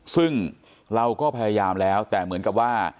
ซึ่งเราก็พยายามแล้วแต่เหมือนกับว่า